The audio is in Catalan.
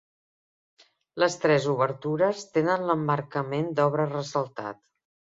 Les tres obertures tenen l'emmarcament d'obra ressaltat.